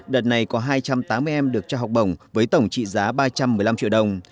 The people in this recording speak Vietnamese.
đợt này có hai trăm tám mươi em được trao học bổng với tổng trị giá ba trăm một mươi năm triệu đồng